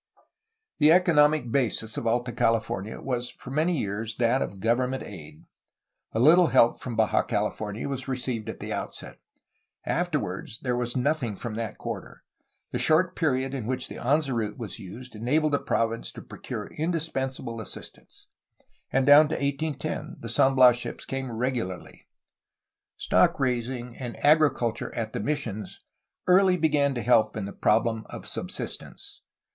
The economic basis of Alta CaUfornia was for many years that of government aid. A Uttle help from Baja California was received at the outset; afterwards, there was nothing from that quarter. The short period in which the Anza route was used enabled the province to procure indispensable 396 A HISTORY OF CALIFORNIA assistance. And down to 1810 the San Bias ships came regu larly. Stock raising and agriculture at the missions early began to help in the problem of subsistence.